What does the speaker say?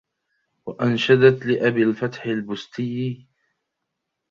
وَأَنْشَدْت لِأَبِي الْفَتْحِ الْبُسْتِيِّ